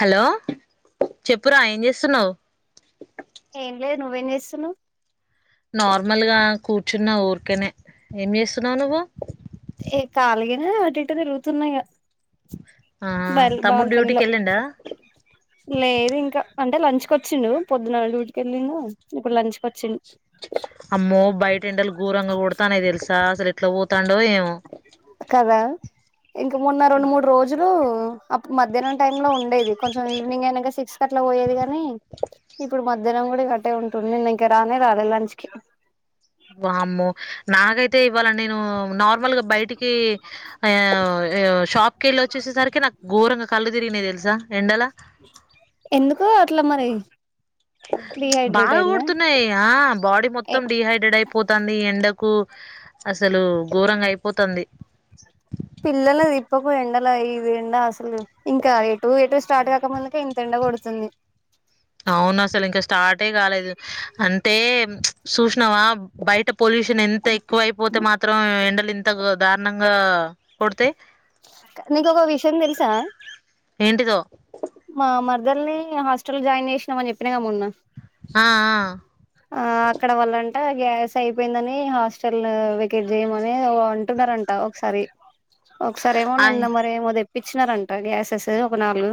Hello చెప్పురా ఏం చేస్తున్నావు ఏం లేదు నువ్వేం చేస్తున్నావ్ నార్మల్ గా కూర్చున్న ఊరికేనే ఏం చేస్తున్నావ్ నువ్వు ఆ అటు ఇటు తిరుగుతున్నా ఇగ ఆ బల్ తమ్ముడు బాల్కనీ డ్యూటీకి లో వెళ్ళిండా లేదు ఇంకా అంటే లంచ్కి వచ్చిండు పొద్దున్న డ్యూటీకి వెళ్ళిండు ఇప్పుడు లంచ్కి వచ్చిం అమ్మో బయట ఎండలు గూరంగ కొడతానయ్ తెలుసా అసలు ఎట్లా పోతాండో ఏమో కదా ఇంకా మొన్న రెండు మూడు రోజులు అప్ మధ్యాహ్నం టై లో ఉం డేది కొంచెం ఈనింగ్ అయినంక సిక్స్ అట్లా పోయేది గానీ ఇప్పుడు మ ఇధరం కూడా ఇగ అట్టే ఉంటుం నిను ఇంకా రానే రాలే లంచ్ కి వామ్మో నాగైతే ఇవ్వాల నేను నార్మల్ గా బయటికి ఆ ఆ షాప్ కెళ్ళి వచ్చేసేసరికి నాకు ఘోరంగా కళ్ళు తిరిగినై తెల్సా ఎండల ఎందుకు అట్లా మరి డిహైడ్రేట్ బాగా అయిందా కొడుతున్నాయి బాడీ ఏ మొత్తం డిహైడ్రేట్ అయిపోతాంది ఎండకు కు అసలు ఘోరంగా అయిపోతుంది పిల్లలని దిప్పకు ఎండలో ఇదు ఎండ అసలు ఇంకా ఎటు ఎటు స్టార్ట్ కాకముందుకే ఇంతెండ కొడుతుంది అవును. అసలింక స్టార్టే కాలేదు అంటే చూసినావా బయట పొల్యూషన్ ఎంత ఎక్కువ అయిపోతే మాత్రం ఎండలు ఇంత దారుణంగా కొడతయ్ నీకొక విషయం తెలుస ఏంటిదో మా మర్దల్ని హాస్టల్లో జాయిన్ చేసినామని చెప్పినాగా మొన్న ఆ! ఆ అక్కడ వాళ్ళం అంట గ్యాస్ అయిపోయిందని హాస్టల్ వెకెట్ చేయమని అంటున్నారంట ఒకసారి ఒకసారిమో ఆ! అయ్ నిన్న మరేమో తెప్పించినారంట గ్యాసెస్ ఒక నాలుగు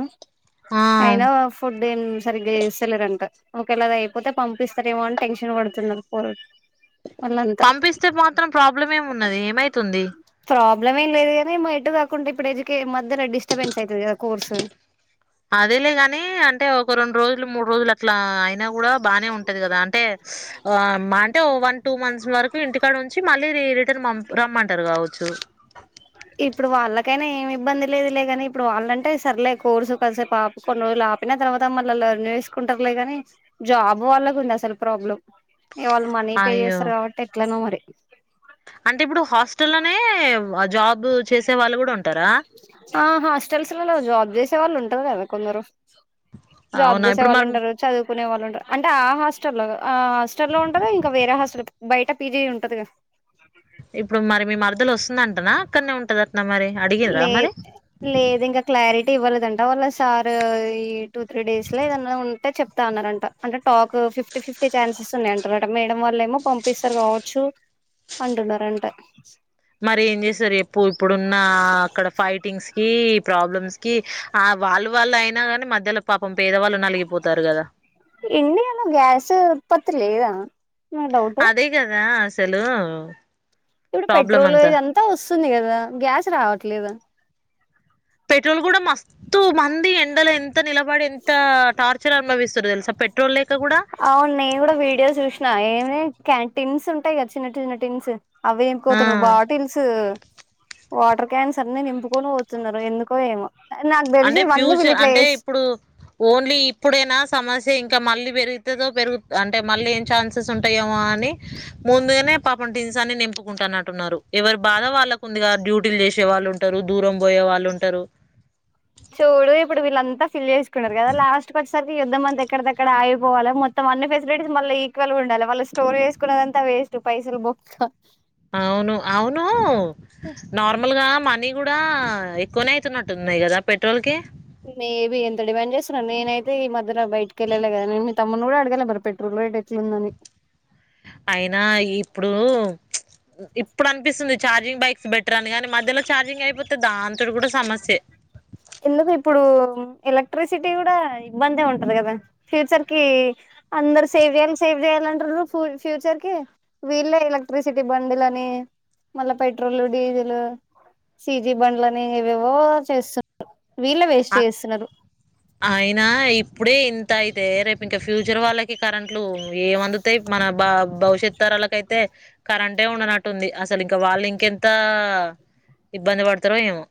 ఆ! అయినా ఫుడ్ ఏం సరిగ్గా చేస్తలేరంట ఒకేళ అది అయిపోతే పంపిస్తారేమో అని టెన్షన్ పడుతున్నారు పోరడు పంపిస్తే మాత్రం ప్రాబ్లమేం ఉన్నది ఏమైతుంది ప్రాబ్లం ఏం లేదు కాదు గాని మా ఇటు కాకుండా ఇప్పుడు ఎందుకే మధ్యన డిస్టబెన్స్ అదేలే గాని అంటే ఒక రెండు రోజులు మూడు రోజులు అట్లా అయినా కూడా బానే ఉంటది కదా అంటే ఆ అంటే వన్ టూ మంత్స్ వరకు ఇంటికాడ ఉంచి మళ్ళీ రీ రీ టన్ పంపుతామంటరు కావచ్చు ఇప్పుడు వాళ్ళకైనా ఏమి ఇబ్బంది లేదు లేగాని ఇప్పుడు వాళ్ళంటే సర్లేదు కోర్సు కాసేపు ఆపు కొన్ని రోజులు ఆ ఆపిన తర్వాత మళ్ళ నేర్సుకుంటారులే గాని జాబ్ వాళ్ళకు ఉంది అసలు ప్రాబ్లం ఇగ వాళ్ళు మనీ పే అయ్యో! చేస్తారు కాబట్టి ఎట్లనో మరి అంటే ఇప్పుడు హాస్ టలోనే జాబ్ చేసే వాళ్ళు కూడా ఉంటారా ట వాళ్ళు ఉంటరు కదా కొందరు జాబ్ అవునా చేసే ఇప్పుడు వాళ్ళు మరి ఉంటారు చదువుకునే వాళ్ళు ఉంట అంటే ఆ హాస్ హాస్ట హాస్టల్లో ఉంటరూ ఇంకా వేరే హాస్టల్ బయట పీజీ ఉంటదిగా ఇప్పుడు మరి మీ మరదలు వస్తుందంటనా అక్కడనే ఉం లే లేదు ఇంకా క్లారి టి ఇవ్వలేదంట వాళ్ళ సార్ ఈ టూ త్రీ డేస్ లో ఏదన్నా ఉంటే చెప్తా అన్నారంట అంటే టాకు ఫిఫ్టీ ఫిఫ్టీ ఛాన్సెస్ ఉన్నాయి అంటారట మేడం వాళ్ళ ఏమో పంపిస్తారు కావచ్చు అంటున్నరంట మరి ఏం చేస్తారు చెప్పు ఇప్పుడున్న అక్కడ ఫైటింగ్స్ కి ప్రాబ్లమ్స్ కి ఆ వాళ్ళు వాళ్ళు అయినా గాని మధ్యలో పాపం పేదవాళ్ళు నలిగిపోతారు కదా ఇండియాలో గ్యాస్ ఉత్పత్తి లేదా నా డౌట్ అదే కదా అసలు ఇప్పుడు ప్రాబ్లం పెట్రోల్ అంతా ఇదంతా వస్తుంది కదా గ్యాస్ రావట్లేద పెట్రోల్ కూడా మస్తు మంది ఎండలు ఎం త నిలబడి ఎంత టార్చర్ అనుభవిస్తురు తెలుసా పెట్రోల్ లేక కూడ రే క్యాంటీన్స్ ఉంటాయి కదా చిన్న చిన్నటిన్స్ అవి ఏమి కోతనో ఆ బాటిల్స్ వాటర్ క్యాన్స్ అన్ని నింపుకొని పోతున్నారు ఎందుకో ఏమో నాకు తెలిసి అంటే ఇవన్నీ వీళ్ళ ఫ్యూచర్ ఇట్లా అంటే చేస్ ఇప్పుడు ఓన్లీ ఇప్పుడైనా సమస్య ఇంకా మళ్ళీ పెరుగుతుదో పెరుగు అంటే మళ్ళీ ఏం ఛాన్సెస్ ఉంటాయో అ ని ముందుగానే పాపం టిన్సన్ని నింపుకుంటానట్టున్నారు ఎవరి బాధ వాళ్ళకుందిగా డ్యూటీలు చేసి వచ్చే వాళ్ళు ఉంటరు దూరం పోయే వాళ్ళు ఉంటరు చూడు ఇప్పుడు వీళ్ళంతా ఫిల్ చేసుకున్నారు కదా లాస్ట్ కొచ్ సరికి యుద్ధం అంత ఎక్కడెక్కడ ఆగిపోవాల మొత్తం అన్ని ఫెసిలిటీస్ మళ్ళీ ఈక్వల్గా ఉండాలె వాళ్ళు స్టోర్ చేసుకున్నదంత వే స్ట్ పైసలు బొక్క అవును అవును నార్మల్గా మనీ కూడా ఎక్కువనే అయితున్నట్టున్నాయి కదా పెట్రోల్ కి. మేబీ ఎంత డిమాండ్ చేస్తున్నాను. నేనైతే ఈ మధ్యలో బయటికి వెళ్ళలే కదా నేను తమ్మును కూడా అడగల మరి పెట్రోల్ రేట్ ఎట్లాలుందని. అయినా ఇప్పుడు ఇప్పుడు అనిపిస్తుంది ఛార్జింగ్ బైక్స్ బెటర్ అని గాని. మధ్యలో ఛార్జింగ్ అయిపోతే దాంతోటి కూడా సమస్య. ఎందుకు ఇప్పుడు. ఎలక్ట్రిసిటీ కూడా ఇబ్బందే ఉంటంది కదా ఫ్యూచర్ కి అందరు సేవ్ చేయాలి సేవ్ చేయాలి. టారూ ఫ్యూచర్ కి వీళ్ళే ఎలక్ట్రిసిటీ బందులని మళ్ళ పెట్రోల్ డీజిల్ సీజీ బండ్లని ఏవేవో చేస్తు వీళ్ళే వేస్ట్ ఆ చేస్తున్నారు అయినా ఇప్పుడే ఇంతయి యితే రేపు ఇంకా ఫ్యూచర్ వాళ్ళకి కరెంట్లు ఏం అందుతాయి, మన బ భవిష్యత్ తరాలకైతే. కరెంటే ఉండనట్టుంది అసలు ఇంక, వాళ్ళు ఇంకెంత ఇబ్బంది పడతారో ఏమో.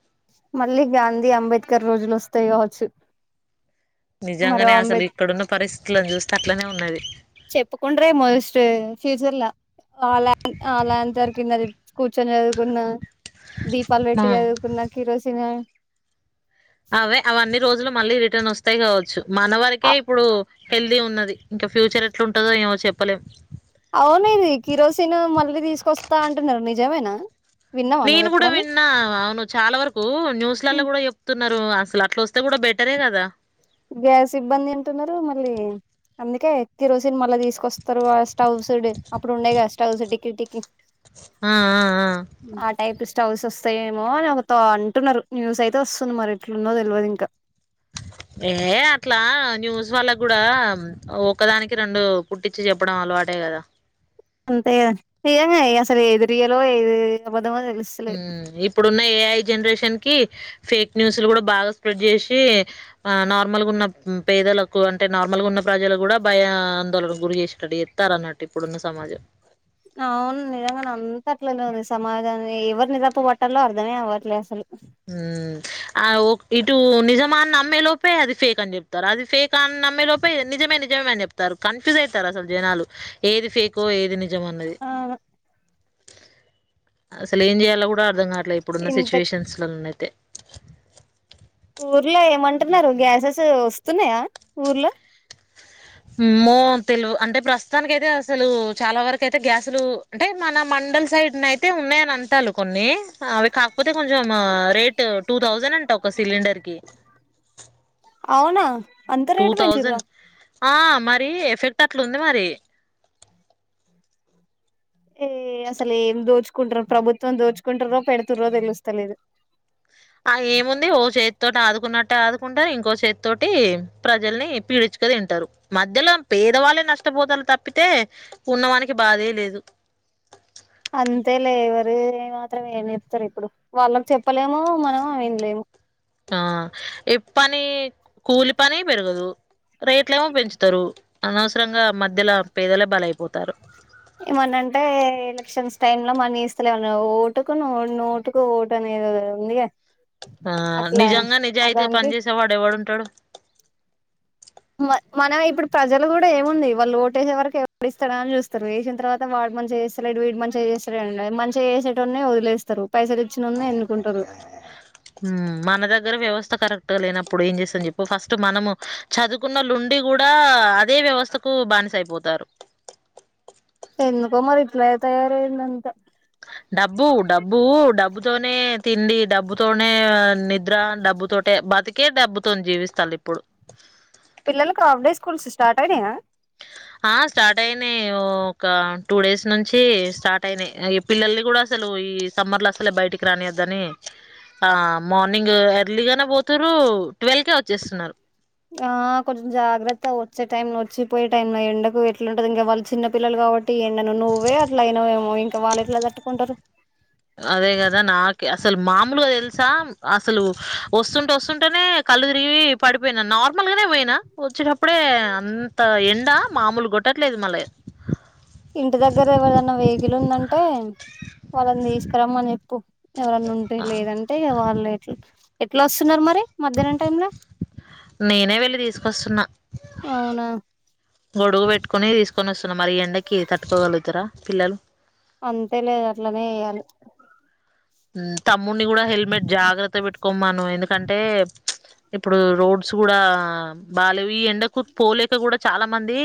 మళ్ళీ గాంధీ అంబేద్కర్ రోజులు వస్తాయి కావచ్చు. మరో నిజంగానే అసలు అంబేద్ ఇక్కడున్న, పరిస్థితుని చూస్తే అట్లనే ఉన్నది. చెప్పుకుంట్రమో స్ ఫ్యూచర్లా ఆ లాన్ ఆ లాంతర్ కింద కూర్చొని చదువుకున్న. దీపాలు ఆ పెట్టి చదువుకున్నా కిరోసిన్ ఆ అవే అవ్వ అన్ని రోజులు మళ్ళీ, రిటర్న్ వస్తాయి కావచ్చు. మన వరకే ఇప్పుడు హెల్దీ ఉన్నది. ఇంకా ఫ్యూచర్ ఎట్లుంటదో ఏమో చెప్పలేం. అవున ఇది కిరోసిన్ మళ్ళీ తీసుకొస్తా. అంటున్నారు నిజమేనా? విన్నావా నేను నువ్వు కూడా ఎప్పుడన్నా విన్నా. అవును చాలా వరకు న్యూస్లలో హ్మ్. కూడా చెప్తున్నారు. అసలు అట్లా వస్తే కూడా బట్, బెటరే కదా గ్యాస్ ఇబ్బంది అంటున్నారు. మళ్ళీ, అందుకే కిరోసిన్ మళ్ళా తీసుకొస్తారు. స్టవ్స్ అప్పుడు ఉండేయి కదా స్టవ్స్ టికి టికి. ఆ ఆ ఆ ఆ టైప్ స్టవ్స్ వస్ వస్తా ఏమో అని ఒకతో అంటున్నారు. న్యూస్ అయితే వస్తుంది. మరి ఎట్లుందో తెలియదు ఇంకా. అ ఏ అట్లా న్యూస్ వాళ్ళకు కూడా, ఒకదానికి రెండు పుట్టించి చెప్పడం అలవాటే. అంతే గాదా అంతేగా నిజంగే అసలు ఏది రియలో ఏది అబ్ హుమ్మ్ ఇప్పుడున్న ఏఐ జనరేషన్ కి ఫేక్ న్యూస్లు కూడా బాగా స్ప్రెడ్ చేసి ఆ నార్మల్ గా ఉన్న, పేదలకు అంటే నార్మల్ గా ఉన్న. ప్రజలు కూడా భయ ఆందోళనకు గురి చేసేటటు, ఎస్తారన్నట్టు ఇప్పుడున్న సమాజం. అవును నిజంగానే అంత అట్లనే ఉంది. సమాజాన్ని ఎవరి తప్పు పట్టాలో అర్థమ అవ్వట్లేదు. అసలు, హుమ్మ్ ఆ ఓ ఇటు నిజమాన్ని నమ్మే లోపే అది ఫేక్ అని చెప్తారు అది ఫేక్ ఆ అన్ నమ్మే లోపే నిజమే నిజమేని చెప్తారు. కన్ఫ్యూజ్ చేస్తారు. అసలు జనాలు ఏది ఫేకో ఏది నిజ్, నిజమన్నది ఆ అసలు ఏం చేయాలో కూడా అర్థం కాట్ ఇట్ల ఇప్పుడున్న ఇంత సిట్యుయేషన్ లోన్నయితే ఊర్లో ఏమంటున్నారు. గ్యాసెస్ వస్తున్నాయా ఊర్లో. అమో తెలుగ్ అంటే ప్రస్తుతానికై అయితే అసలు చాలా వరకు అయితే గ్యాసులు అంటే మన మన్ కొండల్ సైడ్ అయితే ఉన్నాయని అంట కొన్ని అవి కాకపోతే కొంచెం రేట్ టూ థౌజండ్ అన్ ఒక సిలిండర్ కి అవునా అంత టూ రేటు పెంచిర్రా తౌసండ్ ఆ మరి ఎఫెక్ట్ అట్లా ఉంది మరి. ఏ అసలు ఏం దోచుకుంటారో ప్రభుత్వం, దోచుకుంటారో పెడుతుర్రో తెలుస్తాలేదు. ఆ ఏముంది ఓ చేతితోటి ఆదుకున్నట్ ఆదుకుంటారు ఇంకొ చేతోటి ప్రజల్ని పీడిచుక తింటారు. మధ్యలో పేదవాళ్ళే నష్టం పొత్ నష్టపోతున్నారు. తప్పితే ఉన్నవానికి బాధే లేదు. అంతే లే ఏవరి మాత్రం ఏం చెప్తారు. ఇప్పుడు వాళ్ళకి చెప్పలేము మనము వినలేము. ఆ ఏ పని కూలి పని పెరగదు రేట్ల ఏమో పెంచుతారు అనవసరంగా మధ్యలో పేదలే బలీ అయిపోతారు ఏమనంటే ఎలక్షన్స్ టైమ్ లో మనీ ఇస్తలే ఏమన్నా ఓటుకు నోటుకు ఓటు అనే ఏదేదో ఉందిగా ఆ అట్లా నిజంగా నిజాయితీగా అదానికి పని చేసేవాడు ఎవడుంటాడు మ మనం ఇప్పుడు ప్రజలు కూడా ఏముంది వాళ్ళు ఓటేసే వరకు ఎవ ఇస్తా అని చూస్తారు వేసిన తర్వాత వాడు మంచిగా చేస్తలేడు వీడు మంచిగా చేస్తలేడు మంచిగా చేసేటోన్ని వదిలేస్తారు పైసలు ఇచ్చినోన్నే ఎన్నుకుంటారు హు మన దగర వ్యవస్థా త కరెక్ట్ గా లేనప్పుడు ఏం చేస్తం చెప్పు ఫస్ట్ మనము చదువుకున్న ఉండి కూడా అదే వ్యవస్థకు బానిసయిపోతారు ఎందుకో మరిట్లా తయారైందంత డబ్బు డబ్బు డబ్బుతోనే తిండి డబ్బుతోనే నిద్ర డబ్బు డబ్బుతోటే బతికే డబ్బుతో జీవిస్తాది ఇప్పుడు పిల్లలకు ఆఫ్ డే స్కూల్స్ స్టార్ట్ అయినాయా ఆ స్టార్ట్ అయినాయి ఒక టూ డేస్ నుంచి స్టార్ట్ అయినాయి ఈ పిల్లల్ని కూడా అసలు ఈ సమ్మర్ లో అసలే బయటికి రానియద్దని హ మర్నింగ్ ఏర్లిగనే పోతురు టువల్ కె ఆ కొంచెం జాగ్రత్త పో వచ్చే టైమ్ లో వచ్చిపోయే టైంలో ఎండకు ఎట్లా ఉంటుది ఇంకా వాళ్ళ చిన్న పల్లలు కాబట్టి ఎండను నువ్వే అట్లాయినవేమో ఇంకా వాళ్ళు ఎట్లా తట్టుకుంటారు అదే కదా నాకే అసలు మామలుగా తెలుసా అసలు వస్తుంటే వస్తుంటేనే కళ్ళు తిరిగి పడిపోయినా నార్మల్గానే పోయినా వచ్చేటప్పుడే అంత ఎండ మామూలు గోట్ట టట్లేదు మళ్ళీ ఇంటి దగ్గర ఎవరనా వెేహికల్ ఉందంటే వాళ్ళని తీసుకురమ్మని చెప్పు ఎవరన్నా ఉంటే ఆ, లేదంటే వాళ్ళు ఎ ఎట్లా వస్తున్నారు మరి మధ్యాహ్నం టైంల నేనే వెళ్లి తీసుకొస్తున్నా అవునా గొడుగు పెట్టుకుని తీసుకొని వస్తున్నా మరి ఎండకి తట్టుకోగలుగుతారా పిల్లలు అంతే లే అట్లనే చేయాలి తమ్ముడిని కూడా హెల్మెట్ జాగ్రత్తగా పెట్టుకోమను ఎందుకంటే ఇప్పుడు రోడ్స్ కూడా బాగాలేవు ఈ ఎండకు పోలేక కూడా చాలా మంది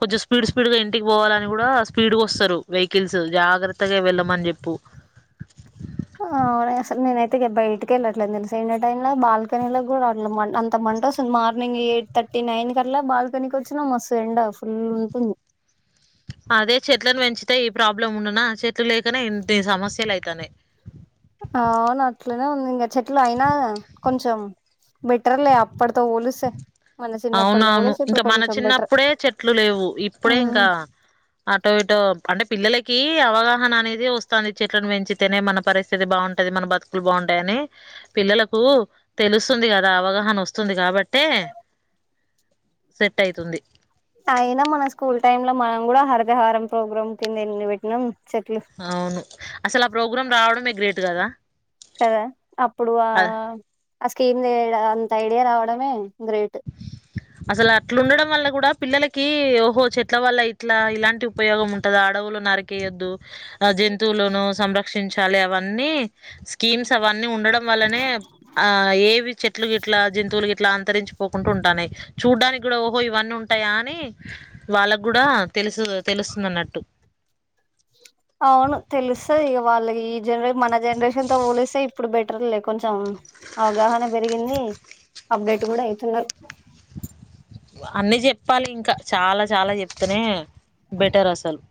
కొంచెం స్పీడ్ స్పీడ్ గా ఇంటికి పోవాలని కూడా స్పీడ్ వస్తారు వెహికల్స్ జాగ్రత్తగా వెళ్ళమని చెప్పు [inaudible] ఆ అసలు నేనైతే బయటికి వెళ్ళట్లే తెలుస ఎండ టైలో బాల్కనీలో కూడా రావట్లే అంత అంటె ఆశలు మార్నింగ్ ఎయిట్ థర్టీ నైన్ కట్లా బాల్కనీకి వచ్చిన మస్తు ఎండ ఫుల్ ఉంటుంది [inaudible] అదే చెట్లను పెంచితే ఈ ప్రాబ్లం ఉండునా చెట్లు లేకనే ఇన్ని సమస్యలు అయితానయి అవును అట్లనే ఉంది ఇంకా చెట్లు అయినా కొంచెం బేటర్లే అప్పుడుతో పోలేస్తే అవునవును ఇంకా మన బెటర్ చిన్నప్పుడే చెట్లు లేవు ఇప్పుడే ఉమ్ ఇంకా ఆటో ఇటో అంటే పిల్లలకి అవగాహన అనేది వస్తుంది చెట్లను పెంచితేనే మన పరిస్థితి బాగుంటుంది మన బతుకులు బాగుంటాయని హ పిల్లలకు తెలుస్తుంది కదా అవగాహన వస్తుంది కాబట్టే సెట్ అయితుంది అయినా మన స్కూల్ టైమ్ లో మనం కూడా హరితహారం ప్రోగ్రామ్ కింద ఎన్ని పెట్టినం అవును అసలు ఆ ప్రోగ్రాం రావడంమే కదా అప్పుడు అ ఆ స్కీమ్ అంత ఐడియా రావడమే గ్రేట్ అసలు అట్లుండడం వల్ల కూడా పిల్లలకి ఓహో చెట్ల వల్ల ఇట్లా ఇలాంటి ఉపయోగం ఉంటద అడవులు నరికేయొద్దు జంతువులను సంరక్షించాలి అవన్నీ స్కీమ్స్ అవన్నీ అ ఉండడం వల్లనే ఆ ఏవి చెట్లు ఇట్లా జంతువుల ఇట్లా అంతరించ పోకుంటూ ఉంటానయి చూడ్డానికి కూడా ఓహో ఇవన్నీ ఉంటాయా అని వాళ్ళకి కూడా తెలుసు తెలు స్తున నట్టు అవును తెలుస్తది ఇగ వాళ్ళ ఈ జనరేషన్ మన జనరేషన్ తో పోలిస్తే ఇప్పుడు బెటర్ లే కొంచెం అవగాహన పెరిగింది అప్డేట్ కూడా అయితున్నారు అన్ని చెప్పాలి ఇంకా చాలా చాలా చెప్తేనే బెటర్ అసలు